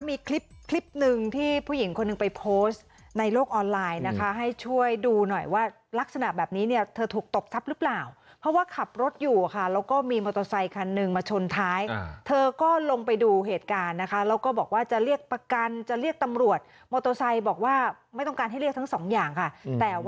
มีคลิปคลิปหนึ่งที่ผู้หญิงคนหนึ่งไปโพสต์ในโลกออนไลน์นะคะให้ช่วยดูหน่อยว่าลักษณะแบบนี้เนี่ยเธอถูกตบทรัพย์หรือเปล่าเพราะว่าขับรถอยู่ค่ะแล้วก็มีมอเตอร์ไซคันหนึ่งมาชนท้ายเธอก็ลงไปดูเหตุการณ์นะคะแล้วก็บอกว่าจะเรียกประกันจะเรียกตำรวจมอเตอร์ไซค์บอกว่าไม่ต้องการให้เรียกทั้งสองอย่างค่ะแต่ว่า